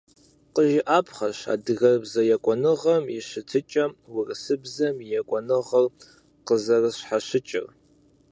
Къыжыӏапхъэщ адыгэбзэ екӏуныгъэм и щытыкӏэм урысыбзэм и екӏуныгъэр къызэрыщхьэщыкӏыр.